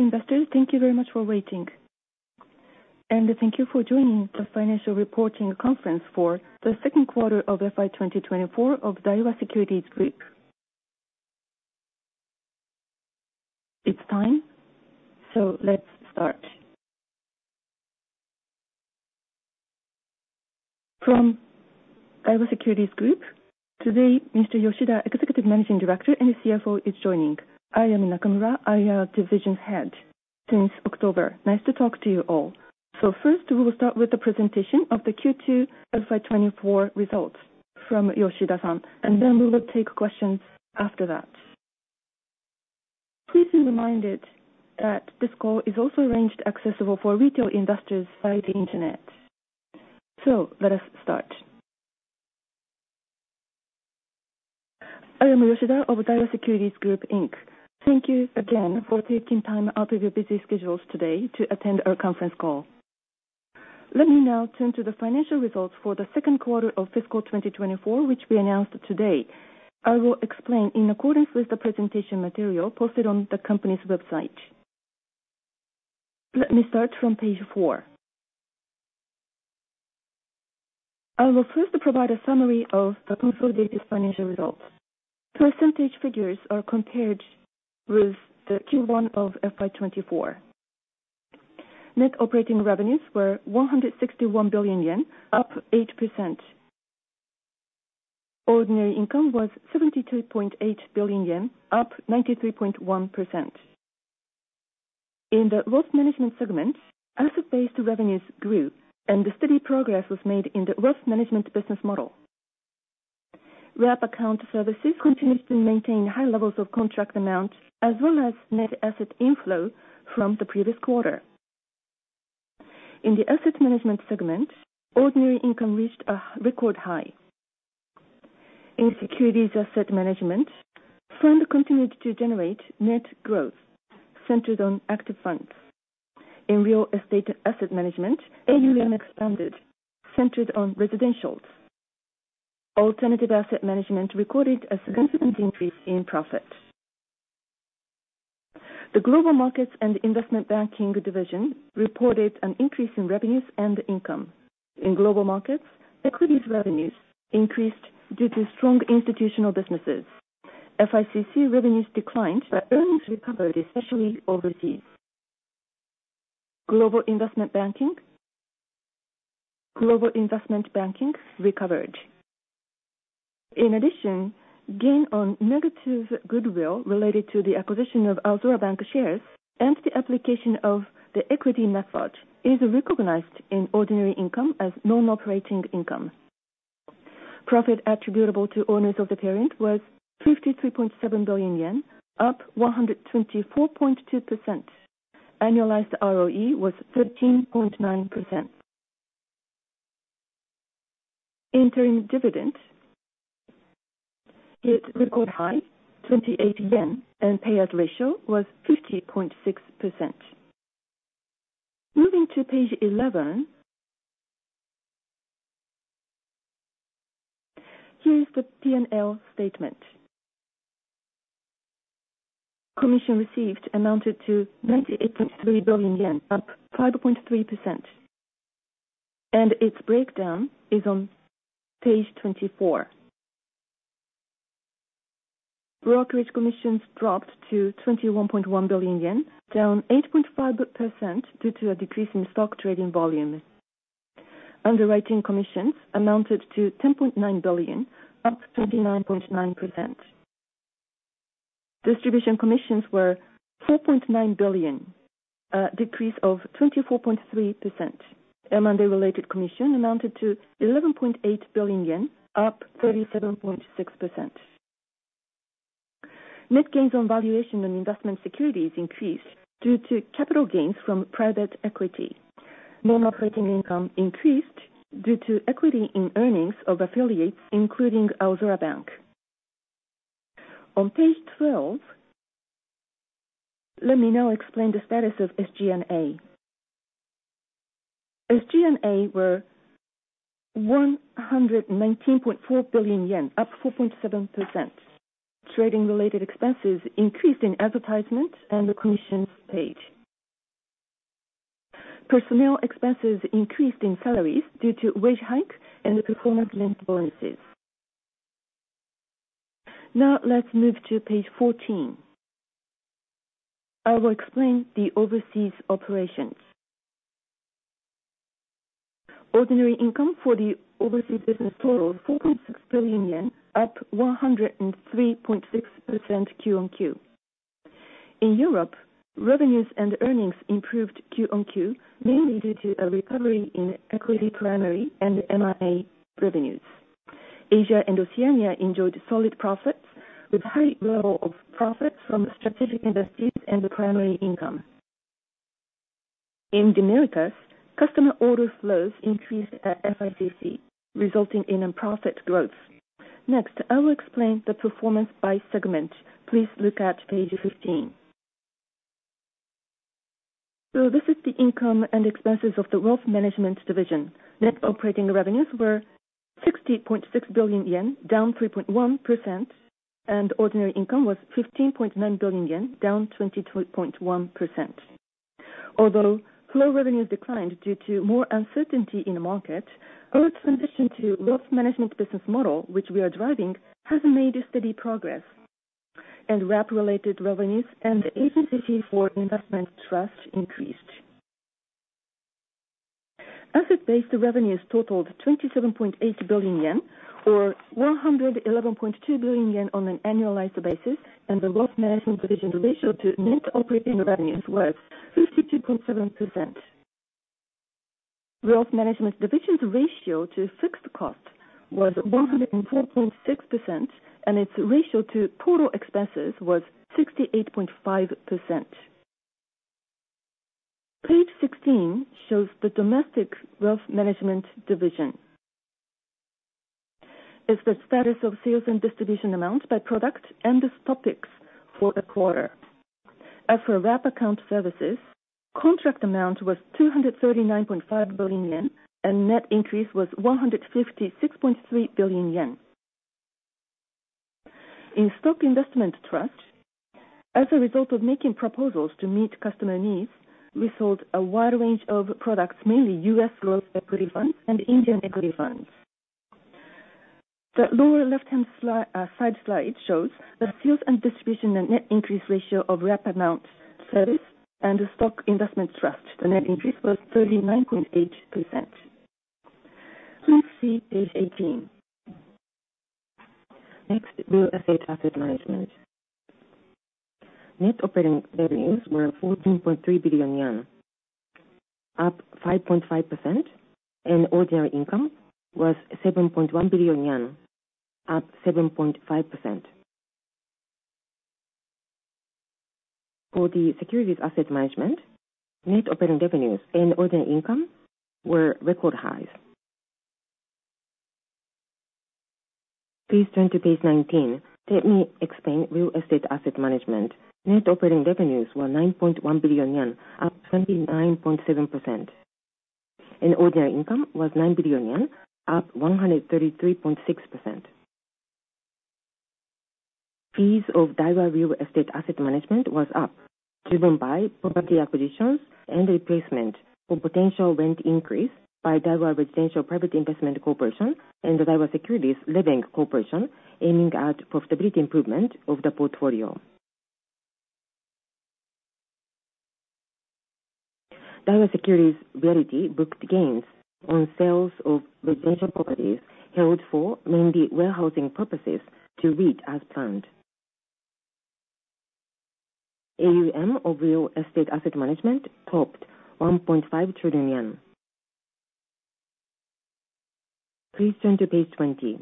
All investors, thank you very much for waiting, and thank you for joining the financial reporting conference for the second quarter of FY 2024 of Daiwa Securities Group. It's time, so let's start. From Daiwa Securities Group, today, Mr. Yoshida, Executive Managing Director and CFO, is joining. I am Nakamura. I am Division Head since October. Nice to talk to you all. So first, we will start with the presentation of the Q2 FY 2024 results from Yoshida-san, and then we will take questions after that. Please be reminded that this call is also arranged accessible for retail investors by the internet. So let us start. I am Yoshida of Daiwa Securities Group, Inc. Thank you again for taking time out of your busy schedules today to attend our conference call. Let me now turn to the financial results for the second quarter of fiscal 2024, which we announced today. I will explain in accordance with the presentation material posted on the company's website. Let me start from page four. I will first provide a summary of the consolidated financial results. Percentage figures are compared with the Q1 of FY 2024. Net operating revenues were 161 billion yen, up 8%. Ordinary income was 72.8 billion yen, up 93.1%. In the wealth management segment, asset-based revenues grew, and steady progress was made in the wealth management business model. Wrap account services continues to maintain high levels of contract amount as well as net asset inflow from the previous quarter. In the asset management segment, ordinary income reached a record high. In Securities Asset Management, fund continued to generate net growth centered on active funds. In Real Estate Asset Management, AUM expanded, centered on residentials. Alternative Asset Management recorded a significant increase in profit. The Global Markets and Investment Banking division reported an increase in revenues and income. In Global Markets, equities revenues increased due to strong institutional businesses. FICC revenues declined, but earnings recovered, especially overseas. Global investment Banking recovered. In addition, gain on negative goodwill related to the acquisition of Aozora Bank shares and the application of the equity method is recognized in ordinary income as non-operating income. Profit attributable to owners of the parent was 53.7 billion yen, up 124.2%. Annualized ROE was 13.9%. Interim dividend hit record high, 28 yen, and payout ratio was 50.6%. Moving to page eleven. Here is the P&L statement. Commission received amounted to 98.3 billion yen, up 5.3%, and its breakdown is on page 24. Brokerage commissions dropped to 21.1 billion yen, down 8.5%, due to a decrease in stock trading volume. Underwriting commissions amounted to 10.9 billion, up 29.9%. Distribution commissions were 4.9 billion, a decrease of 24.3%. M&A-related commission amounted to 11.8 billion yen, up 37.6%. Net gains on valuation and investment securities increased due to capital gains from private equity. Non-operating income increased due to equity in earnings of affiliates, including Aozora Bank. On page 12, let me now explain the status of SG&A. SG&A were 119.4 billion yen, up 4.7%. Trading-related expenses increased in advertisement and the commissions paid. Personnel expenses increased in salaries due to wage hike and the performance-linked bonuses. Now, let's move to page 14. I will explain the overseas operations. Ordinary income for the overseas business total 4.6 billion yen, up 103.6% Q on Q. In Europe, revenues and earnings improved Q on Q, mainly due to a recovery in equity primary and M&A revenues. Asia and Oceania enjoyed solid profits, with high growth of profits from strategic industries and the primary income. In the Americas, customer order flows increased at FICC, resulting in a profit growth. Next, I will explain the performance by segment. Please look at page 15. So this is the income and expenses of the Wealth Management division. Net operating revenues were 60.6 billion yen, down 3.1%, and ordinary income was 15.9 billion yen, down 22.1%. Although flow revenues declined due to more uncertainty in the market, our transition to wealth management business model, which we are driving, has made a steady progress, and wrap-related revenues and the agency fee for investment trust increased. Asset-based revenues totaled 27.8 billion yen, or 111.2 billion yen on an annualized basis, and the Wealth Management division ratio to net operating revenues was 52.7%. Wealth Management division's ratio to fixed costs was 104.6%, and its ratio to total expenses was 68.5%. Page 16 shows the Domestic Wealth Management division. It's the status of sales and distribution amounts by product and the topics for the quarter. As for wrap account services, contract amount was 239.5 billion yen, and net increase was 156.3 billion yen. In Stock Investment Trust, as a result of making proposals to meet customer needs, we sold a wide range of products, mainly U.S. growth equity funds and Indian equity funds. The lower left-hand side slide shows the sales and distribution and net increase ratio of wrap account service and the Stock Investment Trust. The net increase was 39.8%. Please see page 18. Next, Real Estate Asset Management. Net operating revenues were 14.3 billion yen, up 5.5%, and ordinary income was 7.1 billion yen, up 7.5%. For the Securities Asset Management, net operating revenues and ordinary income were record highs. Please turn to page 19. Let me explain Real Estate Asset Management. Net operating revenues were 9.1 billion yen, up 29.7%, and ordinary income was 9 billion yen, up 133.6%. Fees of Daiwa Real Estate Asset Management was up, driven by property acquisitions and replacement for potential rent increase by Daiwa Residential Private Investment Corporation and the Daiwa Securities Living Investment Corporation, aiming at profitability improvement of the portfolio. Daiwa Securities Realty booked gains on sales of residential properties held for mainly warehousing purposes to REIT as planned. AUM of Real Estate Asset Management topped JPY 1.5 trillion. Please turn to page 20.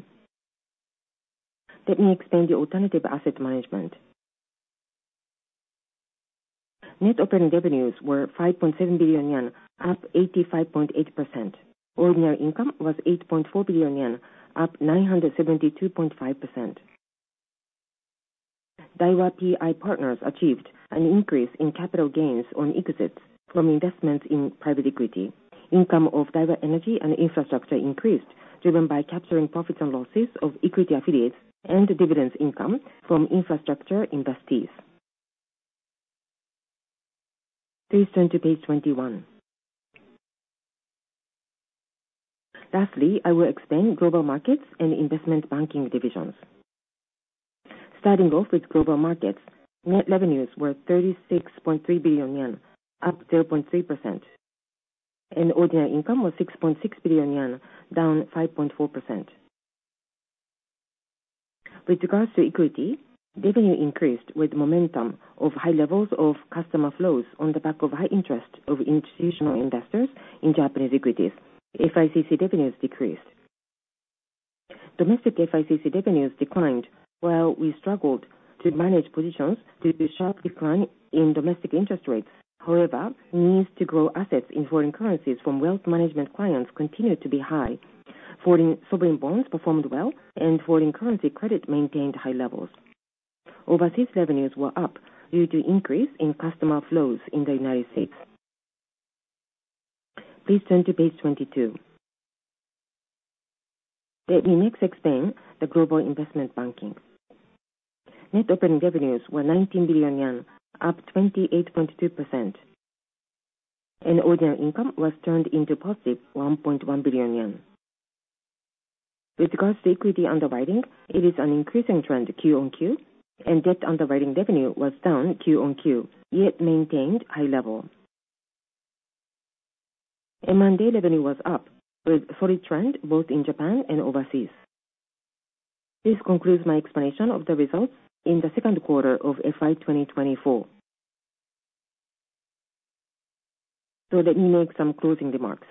Let me explain the Alternative Asset Management. Net operating revenues were 5.7 billion yen, up 85.8%. Ordinary income was 8.4 billion yen, up 972.5%. Daiwa PI Partners achieved an increase in capital gains on exits from investments in private equity. Income of Daiwa Energy and Infrastructure increased, driven by capturing profits and losses of equity affiliates and dividends income from infrastructure investees. Please turn to page 21. Lastly, I will explain Global Markets and Investment Banking divisions. Starting off with Global Markets, net revenues were 36.3 billion yen, up 0.3%, and ordinary income was 6.6 billion yen, down 5.4%. With regards to equity, revenue increased with momentum of high levels of customer flows on the back of high interest of institutional investors in Japanese equities. FICC revenues decreased. Domestic FICC revenues declined, while we struggled to manage positions due to sharp decline in domestic interest rates. However, needs to grow assets in foreign currencies from wealth management clients continued to be high. Foreign sovereign bonds performed well, and foreign currency credit maintained high levels. Overseas revenues were up due to increase in customer flows in the United States. Please turn to page 22. Let me next explain the Global Investment Banking. Net operating revenues were 19 billion yen, up 28.2%, and ordinary income was turned into positive 1.1 billion yen. With regards to equity underwriting, it is an increasing trend Q on Q, and debt underwriting revenue was down Q on Q, yet maintained high level. M&A revenue was up, with solid trend both in Japan and overseas. This concludes my explanation of the results in the second quarter of FY 2024, so let me make some closing remarks.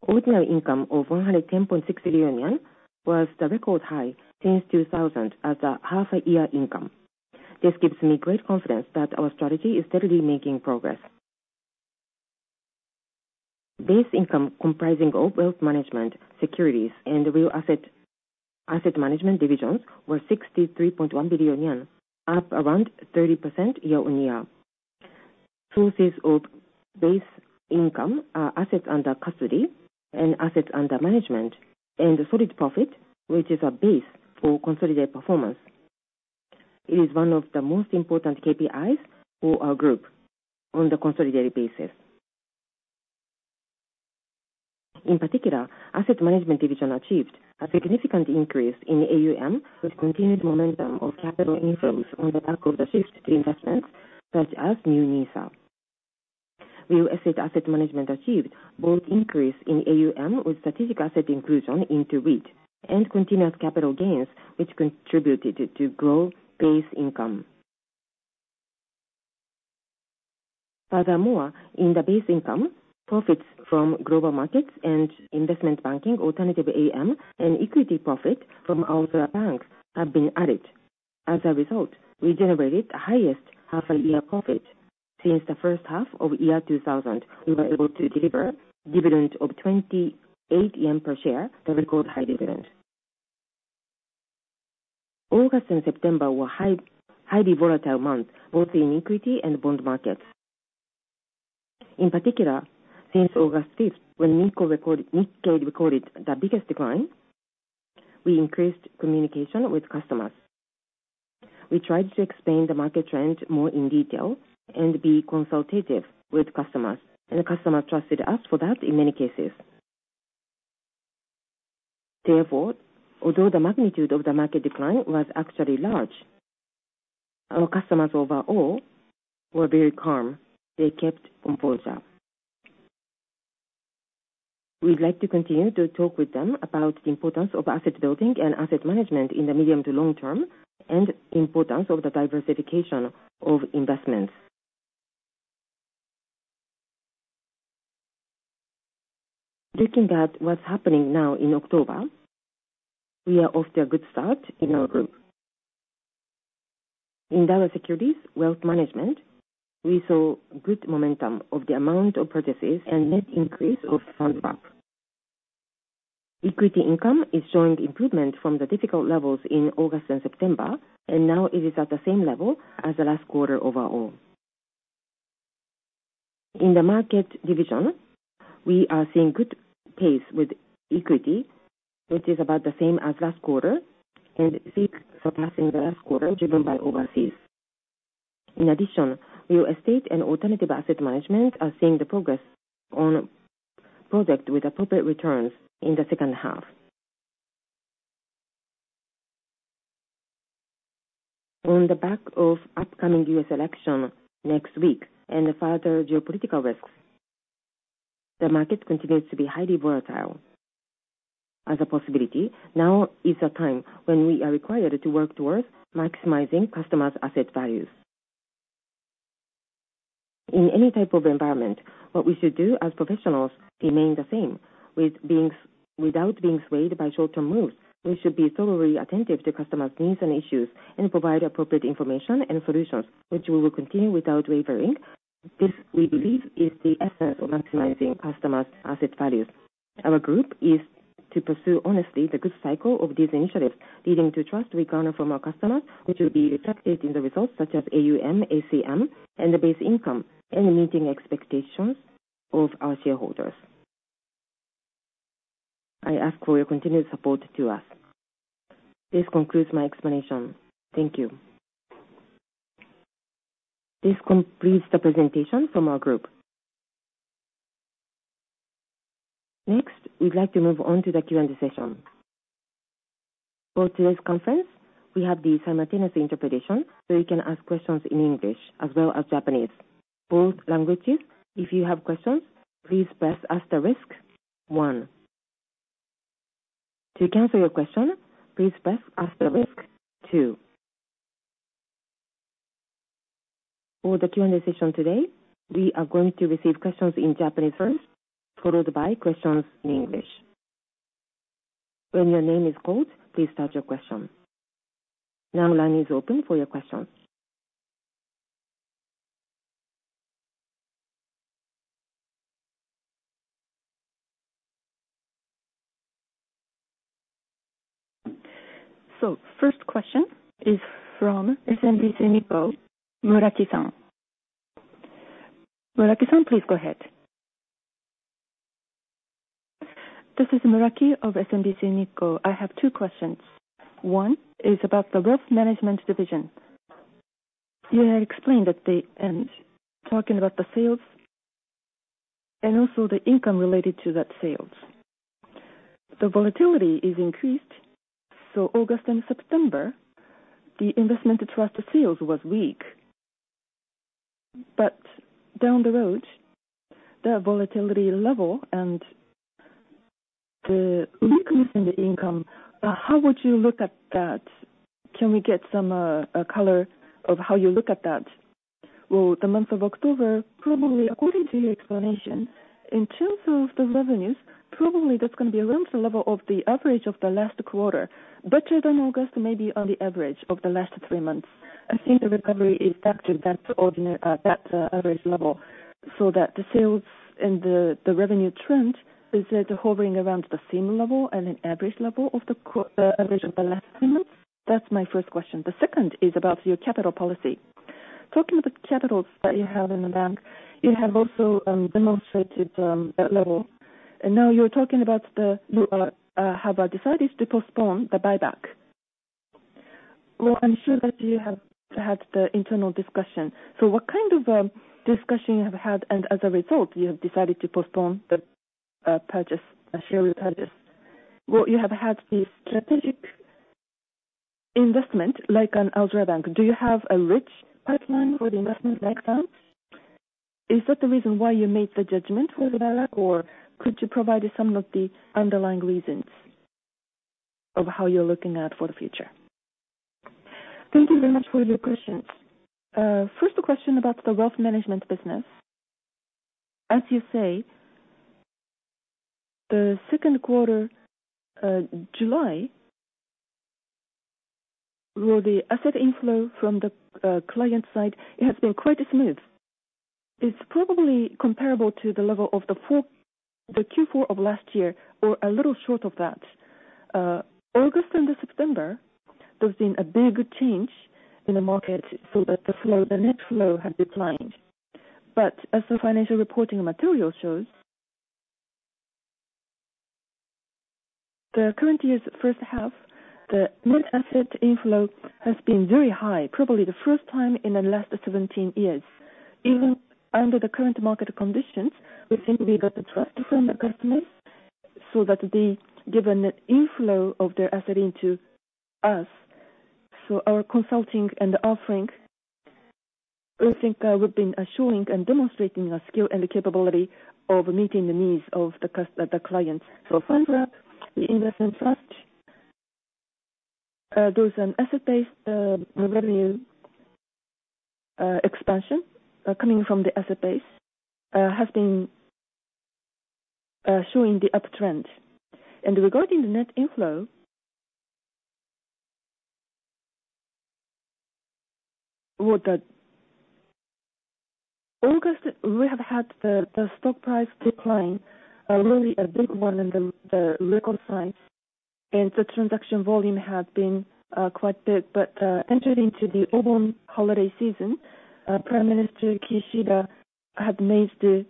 Ordinary income of 110.6 billion yen was the record high since 2000 as a half-year income. This gives me great confidence that our strategy is steadily making progress. Base income comprising of wealth management, securities, and real asset, Asset Management Divisions were 63.1 billion yen, up around 30% year-on-year. Sources of base income are assets under custody and assets under management, and a solid profit, which is a base for consolidated performance. It is one of the most important KPIs for our group on the consolidated basis. In particular, Asset Management Division achieved a significant increase in AUM with continued momentum of capital inflows on the back of the shift to investments, such as New NISA. Real asset management achieved both increase in AUM with strategic asset inclusion into REIT and continuous capital gains, which contributed to grow base income. Furthermore, in the base income, profits from Global Markets and Investment Banking, Alternative AM, and equity profit from our banks have been added. As a result, we generated the highest half-year profit since the first half of 2000. We were able to deliver dividend of 28 yen per share, the record high dividend. August and September were highly volatile months, both in equity and bond markets. In particular, since August fifth, when Nikkei recorded the biggest decline, we increased communication with customers. We tried to explain the market trend more in detail and be consultative with customers, and the customers trusted us for that in many cases. Therefore, although the magnitude of the market decline was actually large, our customers overall were very calm. They kept composure. We'd like to continue to talk with them about the importance of asset building and asset management in the medium to long term and importance of the diversification of investments. Looking at what's happening now in October, we are off to a good start in our group. In our securities wealth management, we saw good momentum of the amount of purchases and net increase of Fund Wrap. Equity income is showing improvement from the difficult levels in August and September, and now it is at the same level as the last quarter overall. In the market division, we are seeing good pace with equity, which is about the same as last quarter and seek surpassing the last quarter, driven by overseas. In addition, real estate and Alternative Asset Management are seeing the progress on project with appropriate returns in the second half. On the back of upcoming U.S. election next week and further geopolitical risks, the market continues to be highly volatile. As a possibility, now is a time when we are required to work towards maximizing customers' asset values. In any type of environment, what we should do as professionals remain the same. Without being swayed by short-term moves, we should be thoroughly attentive to customers' needs and issues and provide appropriate information and solutions, which we will continue without wavering. This, we believe, is the essence of maximizing customers' asset values. Our group is to pursue honestly the good cycle of these initiatives, leading to trust we garner from our customers, which will be reflected in the results such as AUM, AUC, and the base income, and meeting expectations of our shareholders. I ask for your continued support to us. This concludes my explanation. Thank you. This completes the presentation from our group. Next, we'd like to move on to the Q&A session. For today's conference, we have the simultaneous interpretation, so you can ask questions in English as well as Japanese. Both languages, if you have questions, please press asterisk one. To cancel your question, please press asterisk two. For the Q&A session today, we are going to receive questions in Japanese first, followed by questions in English. When your name is called, please state your question. Now the line is open for your questions. So first question is from SMBC Nikko, Muraki-san. Muraki-san, please go ahead. This is Muraki of SMBC Nikko. I have two questions. One is about the wealth management division. You had explained that the talking about the sales and also the income related to that sales. The volatility is increased, so August and September, the investment trust sales was weak. But down the road, the volatility level and the weakness in the income, how would you look at that? Can we get some a color of how you look at that? Well, the month of October, probably according to your explanation, in terms of the revenues, probably that's gonna be around the level of the average of the last quarter, better than August, maybe on the average of the last three months.... I think the recovery is back to that ordinary, that average level, so that the sales and the revenue trend is hovering around the same level and an average level of the company's average of the last months. That's my first question. The second is about your capital policy. Talking about the capital that you have in the bank, you have also demonstrated that level, and now you have decided to postpone the buyback. I'm sure that you have had the internal discussion. So what kind of discussion you have had, and as a result, you have decided to postpone the share repurchase? You have had the strategic investment like Aozora Bank. Do you have a rich pipeline for the investment like that? Is that the reason why you made the judgment for the buyback, or could you provide some of the underlying reasons of how you're looking at for the future? Thank you very much for your questions. First question about the wealth management business. As you say, the second quarter, July, where the asset inflow from the client side, it has been quite smooth. It's probably comparable to the level of the Q4 of last year or a little short of that. August and the September, there's been a big change in the market, so that the flow, the net flow has declined. But as the financial reporting material shows, the current year's first half, the net asset inflow has been very high, probably the first time in the last seventeen years. Even under the current market conditions, we think we got the trust from the customers, so that they've given an inflow of their asset into us, so our consulting and the offering, we think, we've been assuring and demonstrating our skill and the capability of meeting the needs of the clients, so Fund Wrap, the investment trust, those asset-based revenue expansion coming from the asset base have been showing the uptrend, and regarding the net inflow, with the August, we have had the stock price decline, really a big one in the record price, and the transaction volume has been quite big. But entered into the Obon holiday season, Prime Minister Kishida had made the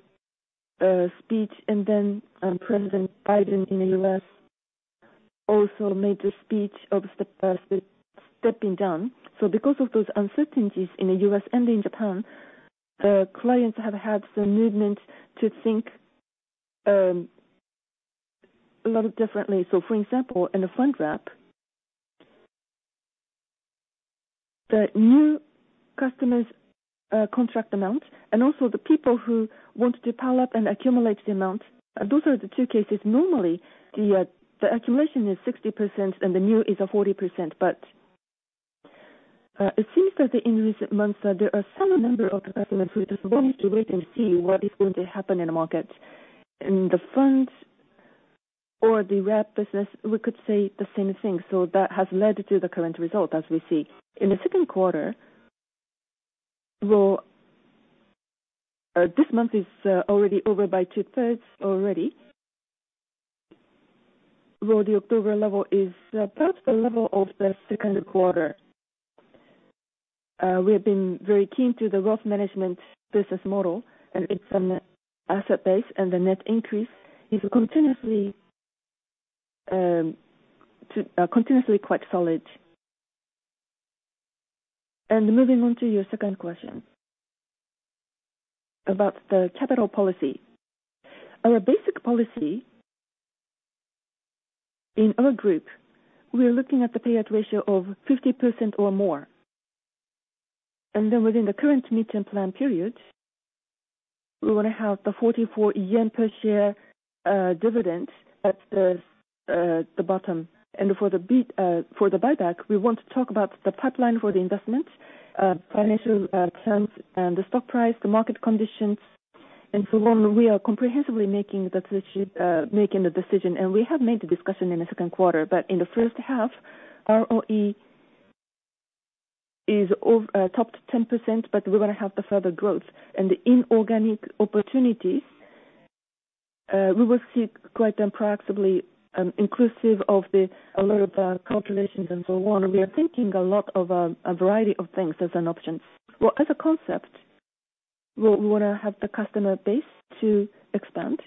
speech, and then President Biden in the U.S. also made the speech of the stepping down. So because of those uncertainties in the U.S. and in Japan, clients have had some movement to think a lot differently. So for example, in the Fund Wrap, the new customers' contract amount, and also the people who want to pile up and accumulate the amount, those are the two cases. Normally, the accumulation is 60% and the new is 40%. But it seems that in recent months, there are some number of customers who just want to wait and see what is going to happen in the market. In the funds or the wrap business, we could say the same thing, so that has led to the current result, as we see. In the second quarter, well, this month is already over by two-thirds already. The October level is perhaps the level of the second quarter. We have been very keen to the wealth management business model, and it's an asset base, and the net increase is continuously quite solid. Moving on to your second question about the capital policy. Our basic policy in our group, we are looking at the payout ratio of 50% or more, and then within the current midterm plan period, we wanna have the 44 yen per share dividend at the bottom. And for the beat, for the buyback, we want to talk about the pipeline for the investment, financial, terms and the stock price, the market conditions, and so on. We are comprehensively making the decision, and we have made the discussion in the second quarter. But in the first half, our ROE is over top 10%, but we're gonna have the further growth. And the inorganic opportunities, we will see quite practically, inclusive of a lot of calculations and so on. We are thinking a lot of a variety of things as an option. Well, as a concept, we wanna have the customer base to expand,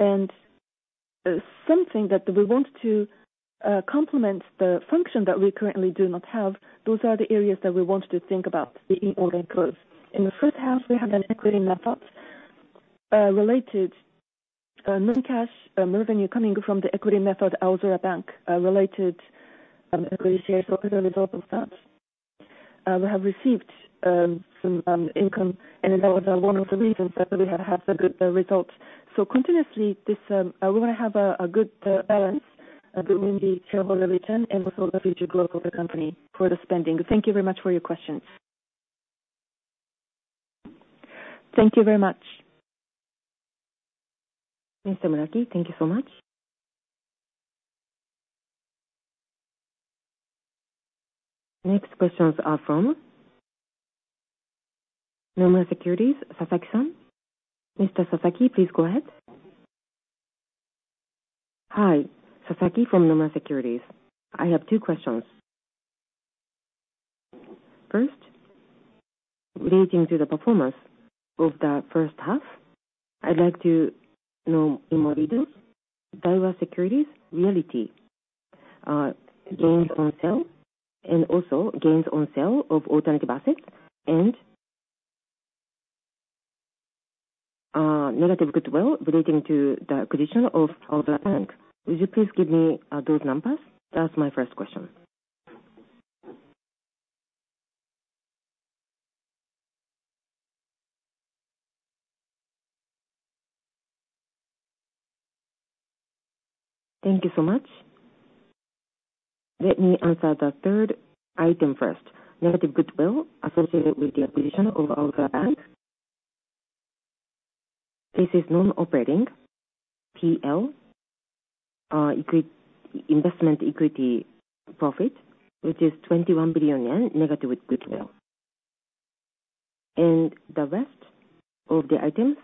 and something that we want to complement the function that we currently do not have, those are the areas that we want to think about the inorganics. In the first half, we have an equity method related non-cash revenue coming from the equity method, Aozora Bank related equity shares or developer funds. We have received some income, and that was one of the reasons that we have had the good results. So continuously, this we wanna have a good balance between the shareholder return and also the future growth of the company for the spending. Thank you very much for your questions. Thank you very much. Mr. Muraki, thank you so much. Next questions are from Nomura Securities, Sasaki-san. Mr. Sasaki, please go ahead. Hi, Sasaki from Nomura Securities. I have two questions. First, relating to the performance of the first half, I'd like to know in more detail Daiwa Securities Realty, gains on sale, and also gains on sale of alternative assets, and negative goodwill relating to the acquisition of Aozora Bank. Would you please give me those numbers? That's my first question. Thank you so much. Let me answer the third item first. Negative goodwill associated with the acquisition of Aozora Bank. This is non-operating P&L, equity investment equity profit, which is 21 billion yen negative goodwill. The rest of the items,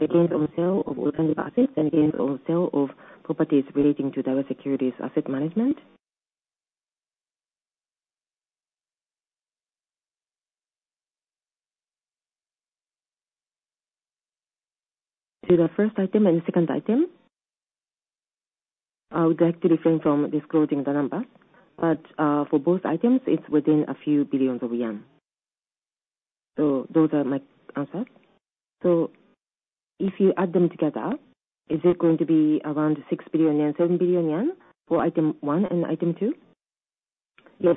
the gains on sale of alternative assets and gains on sale of properties relating to Daiwa Securities Asset Management, to the first item and second item, I would like to refrain from disclosing the number, but for both items, it's within a few billion JPY. Those are my answers. If you add them together, is it going to be around six billion JPY, seven billion JPY for item one and item two? Yes.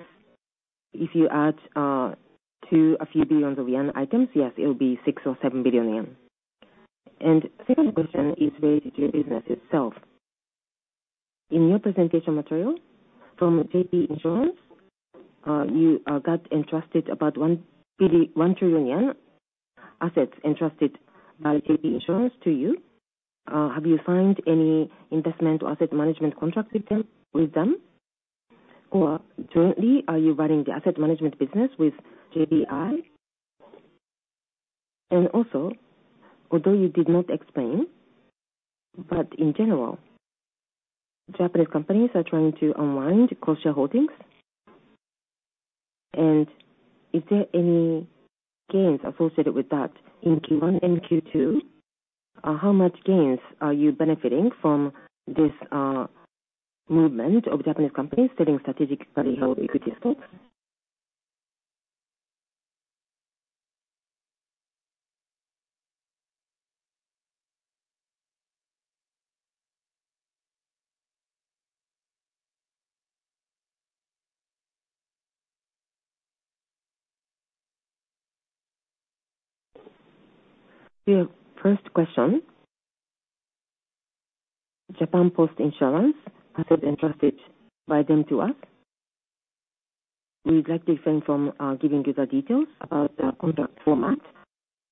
If you add two a few billion JPY items, yes, it will be six or seven billion JPY. The second question is related to your business itself. In your presentation material from JPI, you got entrusted about one billion one trillion JPY assets entrusted by JPI to you. Have you signed any investment or asset management contract with them, or currently, are you running the asset management business with JPI? And also, although you did not explain, but in general, Japanese companies are trying to unwind cross-share holdings, and is there any gains associated with that in Q1 and Q2? How much gains are you benefiting from this movement of Japanese companies selling strategic, highly held equity stocks? The first question, Japan Post Insurance assets entrusted by them to us, we'd like to refrain from giving you the details about the contract format.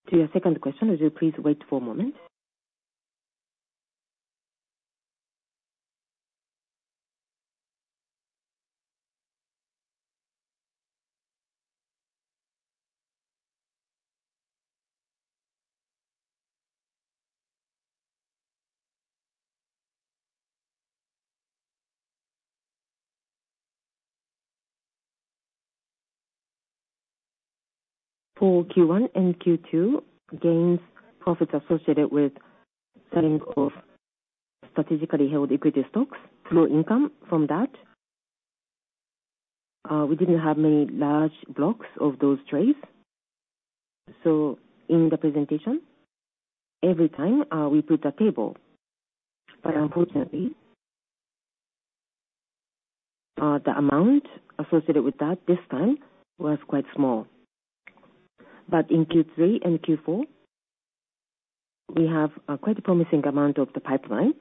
To your second question, would you please wait for a moment? For Q1 and Q2 gains, profits associated with selling of strategically held equity stocks, through income from that, we didn't have many large blocks of those trades, so in the presentation, every time, we put a table, but unfortunately, the amount associated with that this time was quite small. In Q3 and Q4, we have a quite promising amount of the pipeline,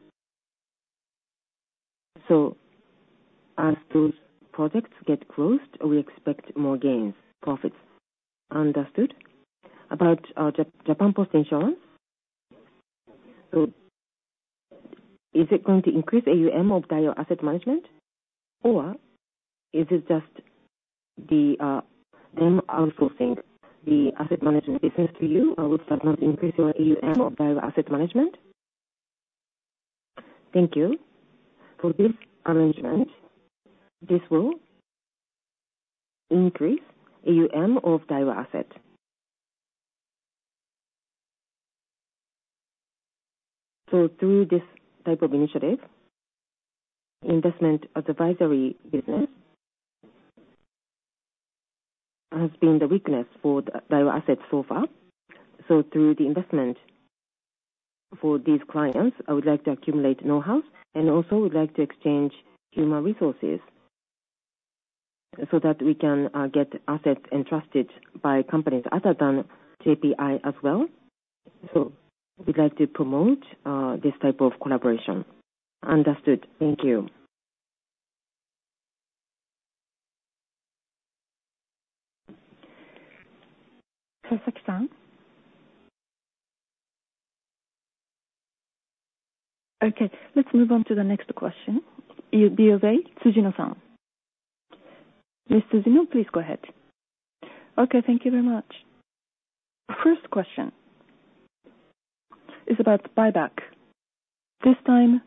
so as those projects get closed, we expect more gains, profits. Understood. About Japan Post Insurance, so is it going to increase AUM of Daiwa Asset Management, or is it just them outsourcing the asset management business to you, will that not increase your AUM of Daiwa Asset Management? Thank you. For this arrangement, this will increase AUM of Daiwa Asset. So through this type of initiative, investment advisory business has been the weakness for the Daiwa Asset so far. So through the investment for these clients, I would like to accumulate know-how, and also would like to exchange human resources so that we can get assets entrusted by companies other than JPI as well. So we'd like to promote this type of collaboration. Understood. Thank you. Okay, let's move on to the next question. UBS, Ms. Tsujino. Ms. Tsujino, please go ahead. Okay, thank you very much. First question is about buyback. This time,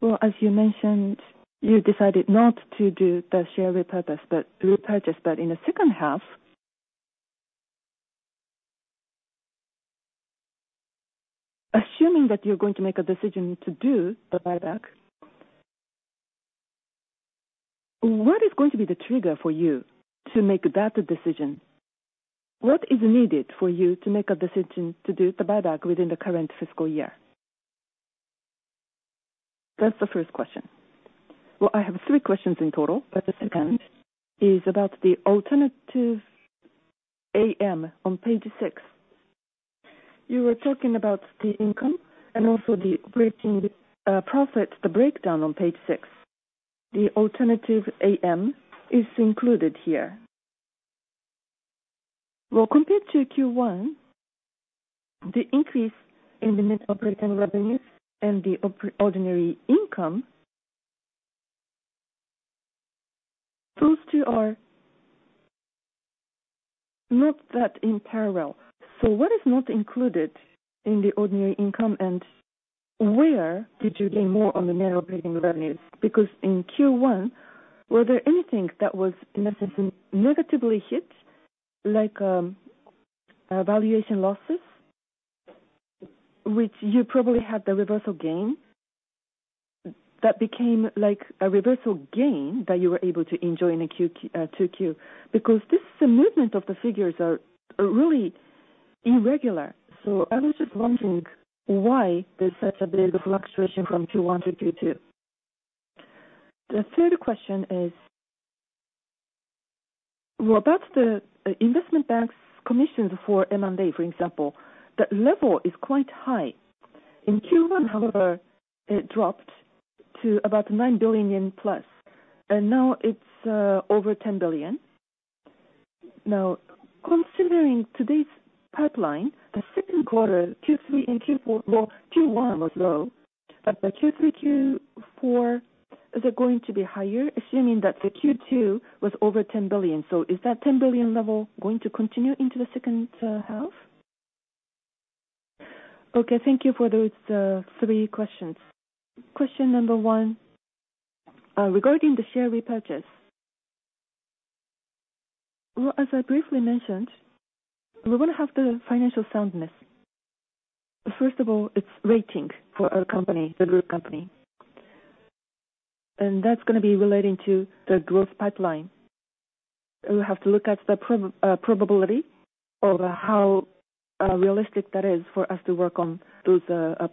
well, as you mentioned, you decided not to do the share repurchase, but repurchase that in the second half. Assuming that you're going to make a decision to do the buyback, what is going to be the trigger for you to make that decision? What is needed for you to make a decision to do the buyback within the current fiscal year? That's the first question. Well, I have three questions in total, but the second is about the Alternative AM on page six. You were talking about the income and also the operating profit, the breakdown on page six. The Alternative AM is included here. Compared to Q1, the increase in the net operating revenues and the ordinary income, those two are not that in parallel. So what is not included in the ordinary income, and where did you gain more on the net operating revenues? Because in Q1, were there anything that was in a sense, negatively hit, like, valuation losses, which you probably had the reversal gain, that became like a reversal gain that you were able to enjoy in the Q2? Because this, the movement of the figures are really irregular. So I was just wondering why there's such a big fluctuation from Q1 to Q2. The third question is, that's the investment banking commissions for M&A, for example, the level is quite high. In Q1, however, it dropped to about 9 billion yen plus, and now it's over 10 billion. Now, considering today's pipeline, the second quarter, Q3 and Q4, well, Q1 was low, but the Q3, Q4, is it going to be higher, assuming that the Q2 was over 10 billion? So is that 10 billion level going to continue into the second half? Okay, thank you for those three questions. Question number one, regarding the share repurchase. Well, as I briefly mentioned, we wanna have the financial soundness. First of all, it's rating for our company, the group company, and that's gonna be relating to the growth pipeline. We have to look at the probability of how realistic that is for us to work on those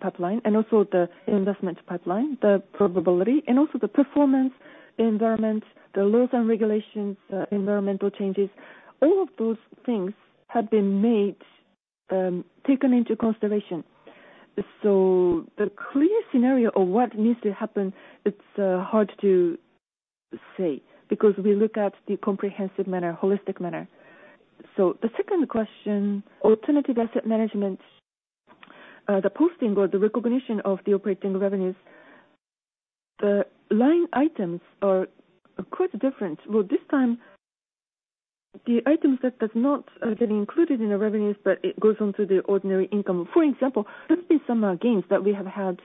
pipeline and also the investment pipeline, the probability, and also the performance environment, the laws and regulations, environmental changes. All of those things have been taken into consideration. So the clear scenario of what needs to happen, it's hard to say because we look at the comprehensive manner, holistic manner. So the second question, Alternative Asset Management, the posting or the recognition of the operating revenues, the line items are quite different. Well, this time, the items that does not getting included in the revenues, but it goes on to the ordinary income. For example, there's been some gains that we have had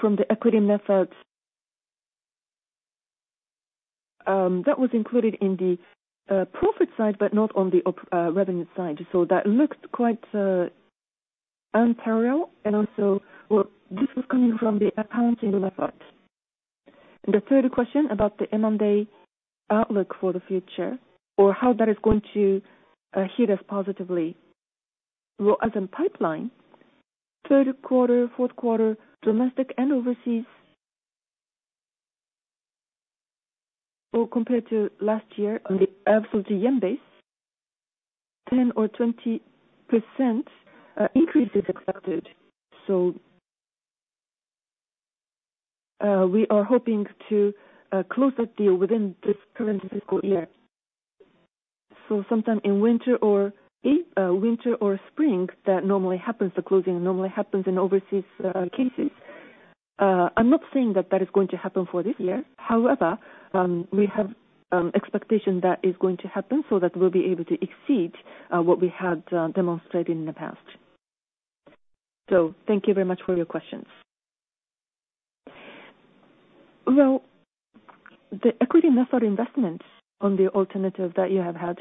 from the equity methods. That was included in the profit side, but not on the op revenue side. So that looks quite unparallel. And also, well, this was coming from the accounting method. And the third question about the M&A outlook for the future or how that is going to hit us positively. As in pipeline, third quarter, fourth quarter, domestic and overseas, compared to last year on the absolute yen basis, 10% or 20% increase is expected. We are hoping to close the deal within this current fiscal year. Sometime in winter or spring, that normally happens, the closing normally happens in overseas cases. I'm not saying that that is going to happen for this year. However, we have expectation that is going to happen, so that we'll be able to exceed what we had demonstrated in the past. Thank you very much for your questions. The equity method investments on the alternative that you have had.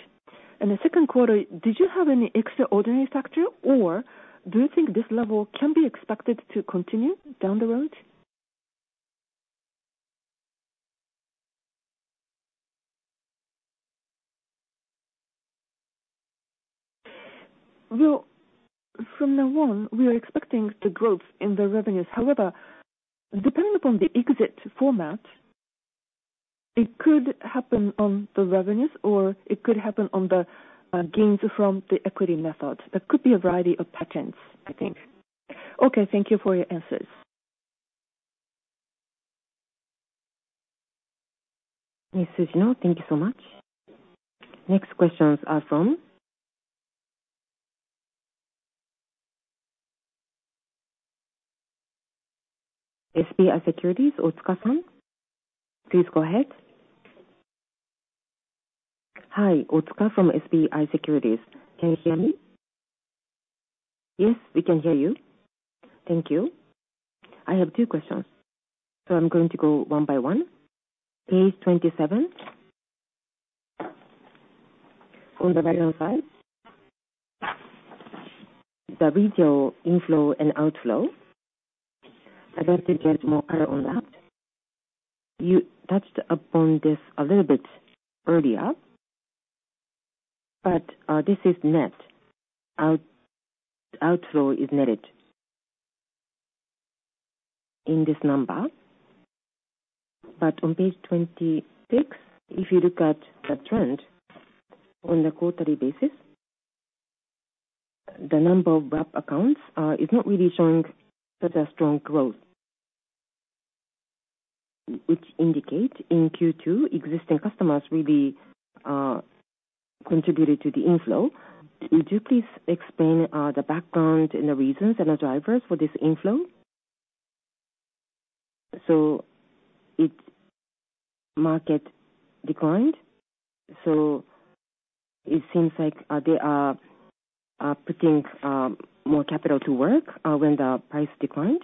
In the second quarter, did you have any extraordinary factor, or do you think this level can be expected to continue down the road? From now on, we are expecting the growth in the revenues. However, depending upon the exit format, it could happen on the revenues, or it could happen on the gains from the equity method. There could be a variety of patterns, I think. Okay, thank you for your answers. Ms. Tsujino, thank you so much. Next questions are from SBI Securities, Otsuka-san? Please go ahead. Hi, Otsuka from SBI Securities. Can you hear me? Yes, we can hear you. Thank you. I have two questions, so I'm going to go one by one. Page twenty-seven, on the right-hand side, the retail inflow and outflow, I'd like to get more clear on that. You touched upon this a little bit earlier, but, this is net. Outflow is netted in this number. But on page twenty-six, if you look at the trend on a quarterly basis, the number of wrap accounts, is not really showing such a strong growth, which indicate in Q2, existing customers really, contributed to the inflow. Would you please explain, the background and the reasons and the drivers for this inflow? The market declined, so it seems like they are putting more capital to work when the price declined.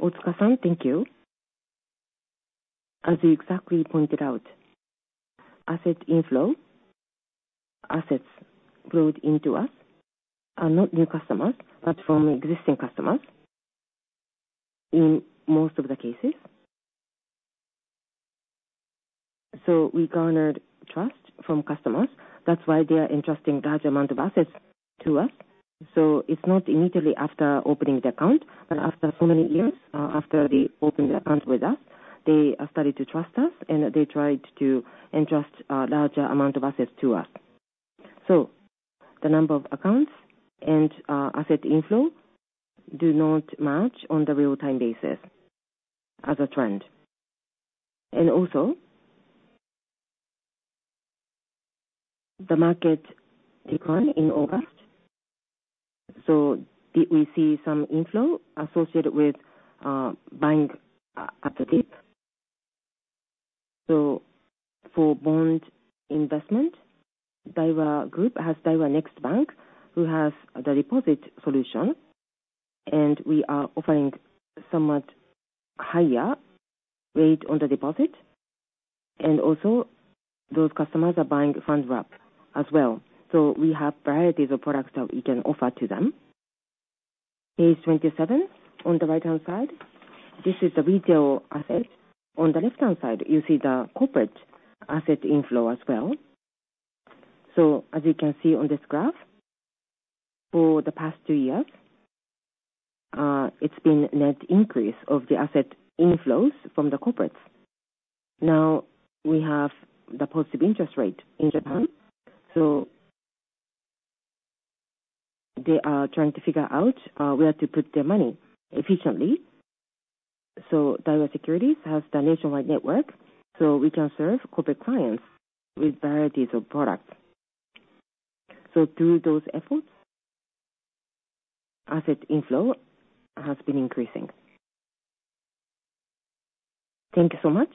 Otsuka-san, thank you. As you exactly pointed out, asset inflow, assets flowed into us are not new customers, but from existing customers in most of the cases. We garnered trust from customers. That's why they are entrusting large amount of assets to us. It's not immediately after opening the account, but after so many years after they opened the account with us. They started to trust us, and they tried to entrust a larger amount of assets to us. The number of accounts and asset inflow do not match on the real-time basis as a trend. The market declined in August, so we see some inflow associated with buying at the dip. So for bond investment, Daiwa Group has Daiwa Next Bank, who has the deposit solution, and we are offering somewhat higher rate on the deposit. And also those customers are buying Fund Wrap as well. So we have varieties of products that we can offer to them. Page 27, on the right-hand side, this is the retail asset. On the left-hand side, you see the corporate asset inflow as well. So as you can see on this graph, for the past two years, it's been net increase of the asset inflows from the corporates. Now, we have the positive interest rate in Japan, so they are trying to figure out where to put their money efficiently. So Daiwa Securities has the nationwide network, so we can serve corporate clients with varieties of products. So through those efforts, asset inflow has been increasing. Thank you so much.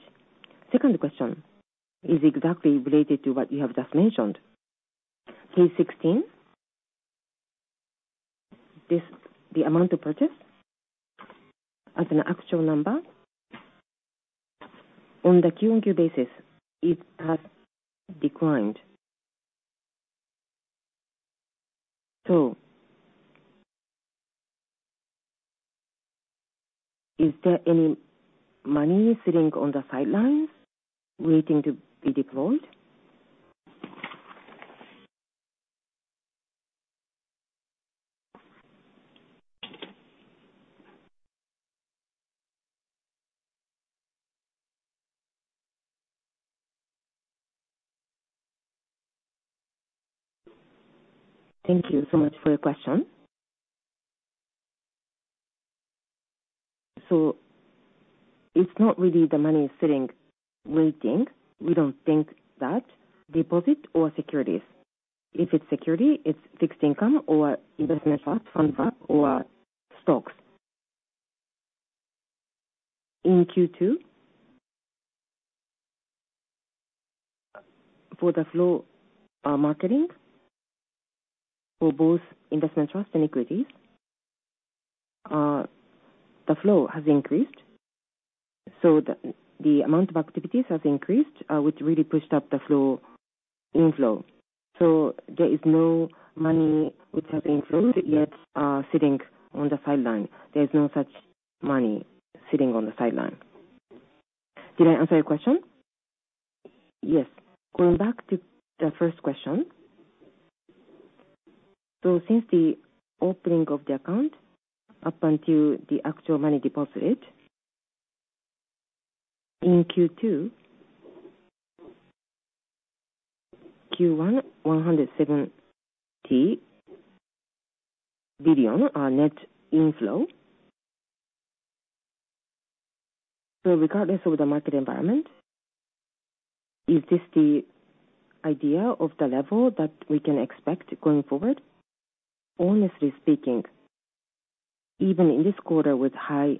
Second question is exactly related to what you have just mentioned. Page sixteen, this, the amount of purchase as an actual number on the QMQ basis, it has declined. So is there any money sitting on the sidelines waiting to be deployed? Thank you so much for your question. So it's not really the money sitting, waiting. We don't think that. Deposit or securities? If it's security, it's fixed income or investment fund, or stocks. In Q2, for the flow, marketing, for both investment trust and equities, the flow has increased, so the amount of activities has increased, which really pushed up the flow, inflow. So there is no money which has influenced yet, sitting on the sideline. There's no such money sitting on the sideline. Did I answer your question? Yes. Going back to the first question, so since the opening of the account up until the actual money deposited, in Q2, Q1, JPY 170 billion are net inflow. So regardless of the market environment, is this the idea of the level that we can expect going forward? Honestly speaking, even in this quarter with high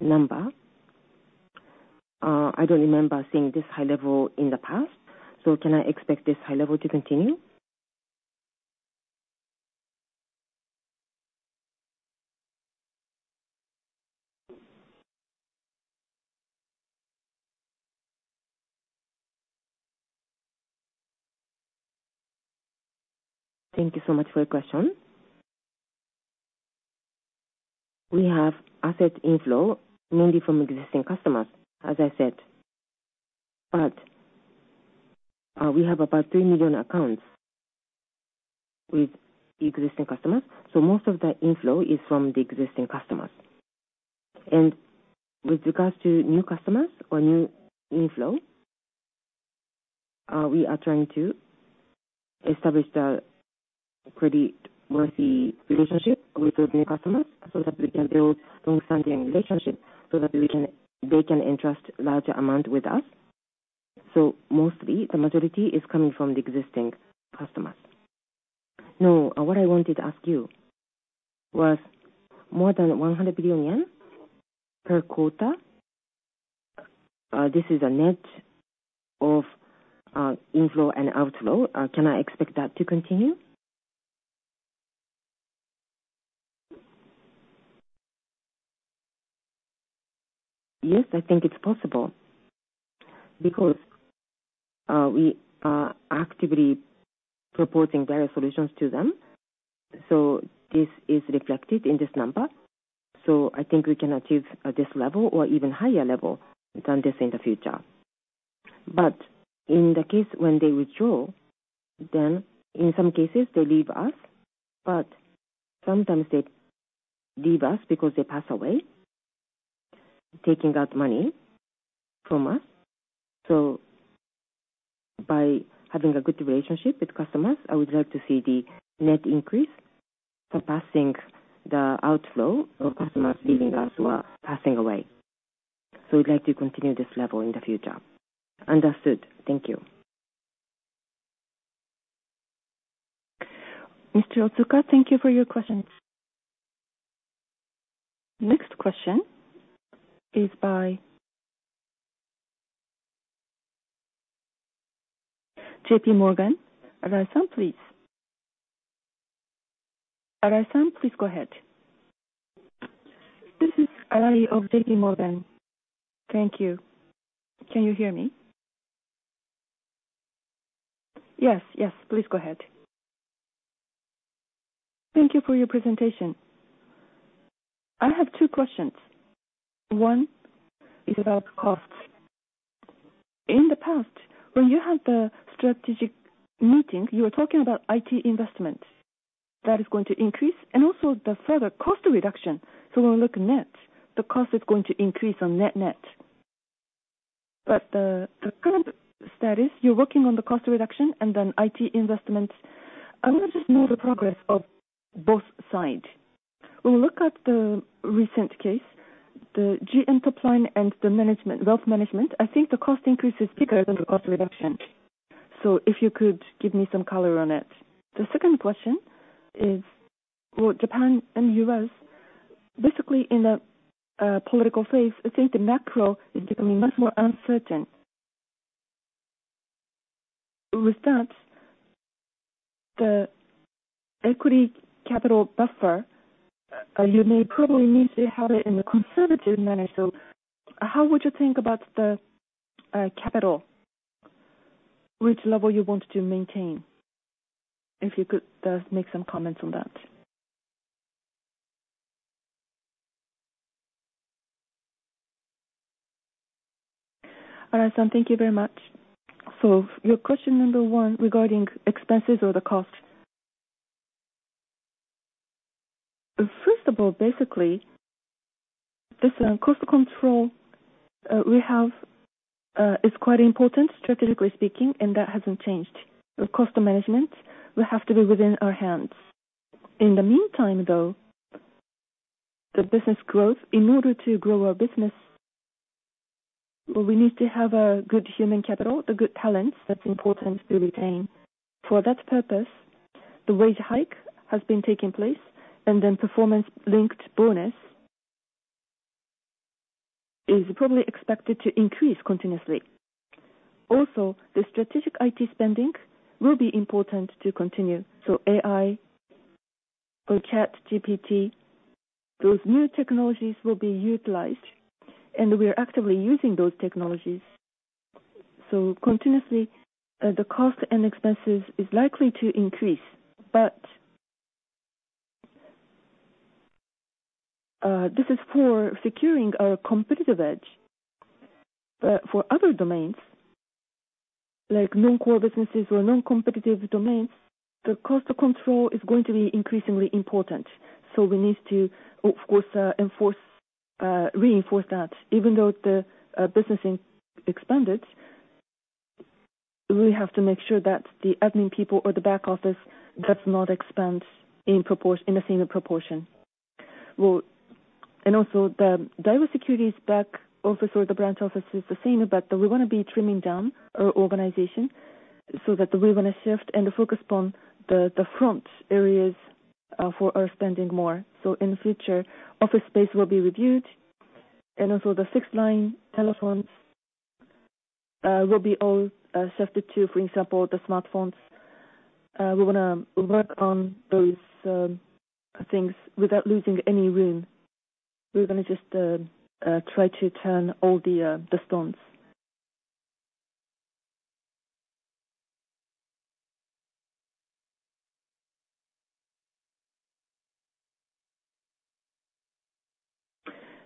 number, I don't remember seeing this high level in the past, so can I expect this high level to continue? Thank you so much for your question. We have asset inflow mainly from existing customers, as I said, but, we have about 3 million accounts with the existing customers, so most of the inflow is from the existing customers. With regards to new customers or new inflow, we are trying to establish a pretty worthy relationship with the new customers so that they can entrust larger amount with us. Mostly, the majority is coming from the existing customers. No, what I wanted to ask you was more than 100 billion yen per quarter. This is a net of inflow and outflow. Can I expect that to continue? Yes, I think it's possible, because we are actively proposing better solutions to them, so this is reflected in this number. I think we can achieve this level or even higher level than this in the future. But in the case when they withdraw, then in some cases they leave us, but sometimes they leave us because they pass away, taking out money from us. So by having a good relationship with customers, I would like to see the net increase surpassing the outflow of customers leaving us who are passing away. So we'd like to continue this level in the future. Understood. Thank you. Mr. Otsuka, thank you for your questions. Next question is by JP Morgan. Arai-san, please. Arai-san, please go ahead. This is Arai of JP Morgan. Thank you. Can you hear me? Yes. Yes, please go ahead. Thank you for your presentation. I have two questions. One is about costs. In the past, when you had the strategic meeting, you were talking about IT investment that is going to increase and also the further cost reduction. So when we look net, the cost is going to increase on net-net. But, the current status, you're working on the cost reduction and then IT investment. I want to just know the progress of both side. When we look at the recent case, the GM top line and the management, wealth management, I think the cost increase is bigger than the cost reduction. So if you could give me some color on it. The second question is, well, Japan and US, basically in a political phase, I think the macro is becoming much more uncertain. With that, the equity capital buffer, you may probably need to have it in a conservative manner. So how would you think about the capital? Which level you want to maintain, if you could make some comments on that. Arai-san, thank you very much. So your question number one, regarding expenses or the cost. First of all, basically, this cost control we have is quite important strategically speaking, and that hasn't changed. The cost of management will have to be within our hands. In the meantime, though, the business growth, in order to grow our business, we need to have a good human capital, the good talents that's important to retain. For that purpose, the wage hike has been taking place, and then performance-linked bonus is probably expected to increase continuously. Also, the strategic IT spending will be important to continue. So AI or ChatGPT, those new technologies will be utilized, and we are actively using those technologies. So continuously, the cost and expenses is likely to increase, but. This is for securing our competitive edge for other domains, like non-core businesses or non-competitive domains, the cost of control is going to be increasingly important, so we need to, of course, enforce, reinforce that. Even though the business expanded, we have to make sure that the admin people or the back office does not expand in the same proportion. Well, and also the Daiwa Securities back office or the branch office is the same, but we're gonna be trimming down our organization so that we're gonna shift and focus on the front areas for our spending more. So in the future, office space will be reviewed and also the fixed line telephones will be all shifted to, for example, the smartphones. We wanna work on those things without losing any room. We're gonna just try to turn all the stones,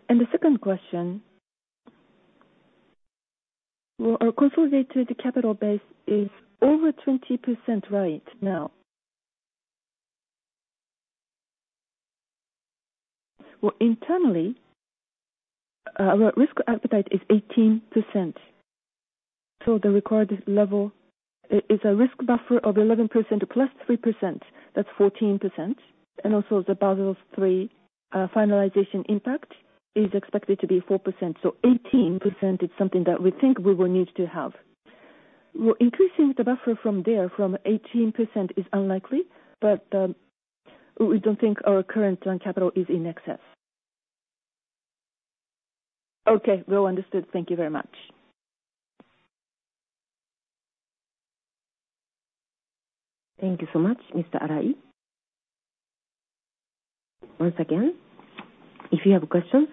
and the second question, well, our consolidated capital base is over 20% right now. Well, internally, our risk appetite is 18%, so the required level is a risk buffer of 11% plus 3%, that's 14%. And also the Basel III finalization impact is expected to be 4%, so 18% is something that we think we will need to have. Well, increasing the buffer from there, from 18% is unlikely, but we don't think our current capital is in excess. Okay. Well understood. Thank you very much. Thank you so much, Mr. Arai. Once again, if you have questions,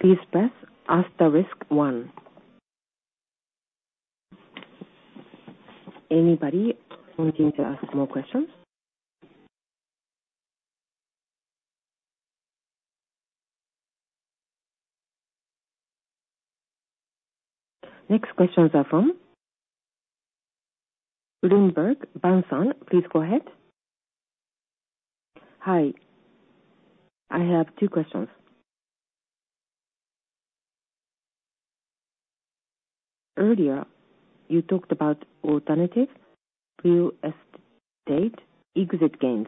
please press asterisk one. Anybody wanting to ask more questions? Next questions are from Bloomberg, Ban, please go ahead. Hi, I have two questions. Earlier, you talked about alternative asset exit gains.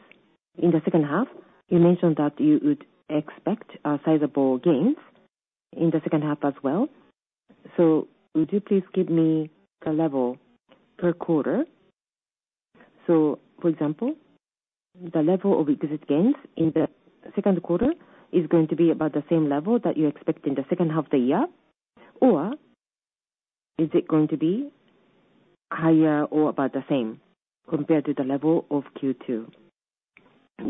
In the second half, you mentioned that you would expect sizable gains in the second half as well. So would you please give me the level per quarter? So, for example, the level of exit gains in the second quarter is going to be about the same level that you expect in the second half of the year, or is it going to be higher or about the same compared to the level of Q2?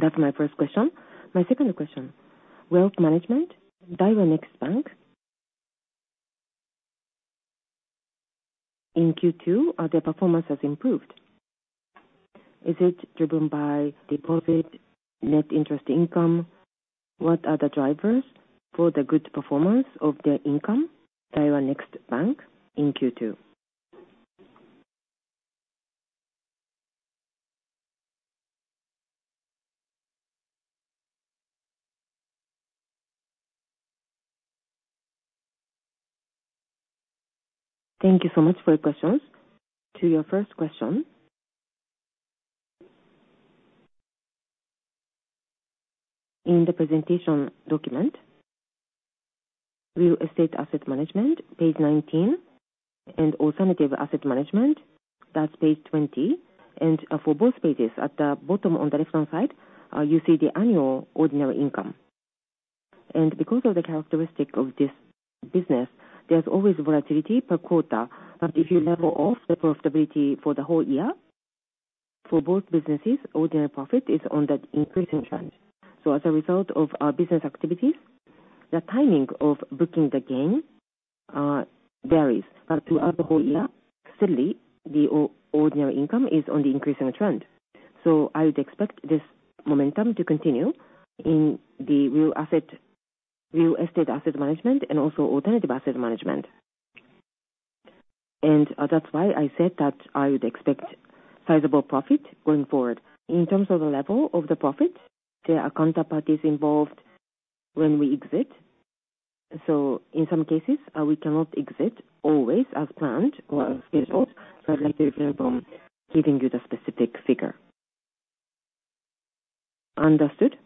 That's my first question. My second question, wealth management, Daiwa Next Bank, in Q2, the performance has improved. Is it driven by deposit, net interest income? What are the drivers for the good performance of the income, Daiwa Next Bank, in Q2? Thank you so much for your questions. To your first question, in the presentation document, Real Estate Asset Management, page nineteen, and Alternative Asset Management, that's page twenty, and for both pages, at the bottom on the left-hand side, you see the annual ordinary income. And because of the characteristic of this business, there's always volatility per quarter, but if you level off the profitability for the whole year, for both businesses, ordinary profit is on that increasing trend. So as a result of our business activities, the timing of booking the gain varies, but throughout the whole year, steadily, the ordinary income is on the increasing trend. I would expect this momentum to continue in the real asset, Real Estate Asset Management and also Alternative Asset Management. And, that's why I said that I would expect sizable profit going forward. In terms of the level of the profit, there are counterparties involved when we exit, so in some cases, we cannot exit always as planned or as scheduled, so I'd like to refrain from giving you the specific figure. Understood.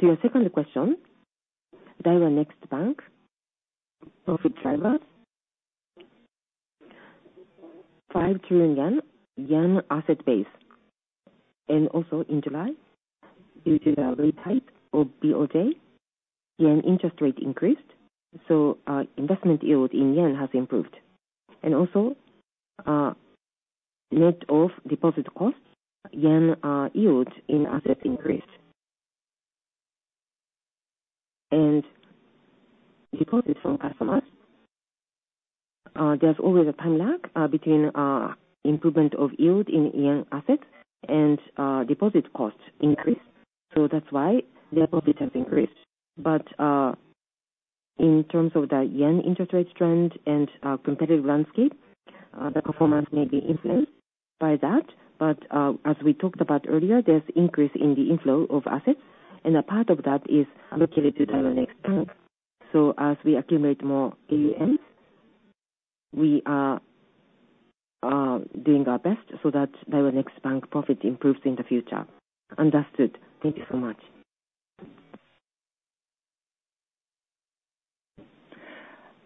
To your second question, Daiwa Next Bank profit drivers, 5 trillion yen asset base, and also in July, due to the rate hike of BOJ, yen interest rate increased, so investment yield in yen has improved. And also, net of deposit costs, yen yield in assets increased. And deposits from customers, there's always a time lag between improvement of yield in yen assets and deposit costs increase, so that's why the profit has increased. But in terms of the yen interest rate trend and competitive landscape, the performance may be influenced by that, but as we talked about earlier, there's increase in the inflow of assets, and a part of that is allocated to Daiwa Next Bank. So as we accumulate more AUMs, we are doing our best so that Daiwa Next Bank profit improves in the future. Understood. Thank you so much.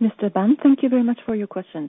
Mr. Ban, thank you very much for your question.